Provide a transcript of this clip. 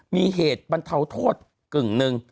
มีเหตุบรรเทาโทษกึ่งหนึ่ง